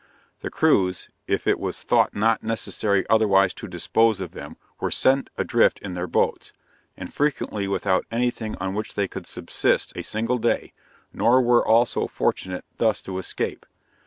The crews, if it was thought not necessary otherways to dispose of them were sent adrift in their boats, and frequently without any thing on which they could subsist a single day; nor were all so fortunate thus to escape.